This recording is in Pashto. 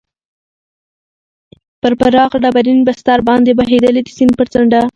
پر پراخ ډبرین بستر باندې بهېدلې، د سیند پر څنډه.